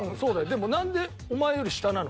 でも何でお前より下なの？